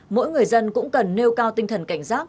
mỗi người dân cũng cần nêu cao tinh thần cảnh giác